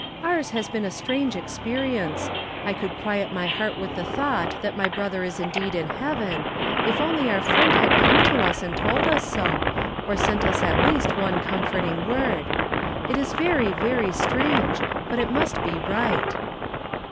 " Ours has been a strange experience. I could quiet my heart with the thought that my brother is needed in heaven, if only our friend had come to us and told us so, or sent us at least one com forting word. It is very, very strange, but it must be right."